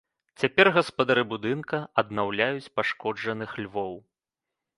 Цяпер гаспадары будынка аднаўляюць пашкоджаных львоў.